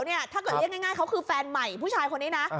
ถ้าเกิดเรียกง่ายเขาคือแฟนใหม่ผู้ชายคนนี้นะ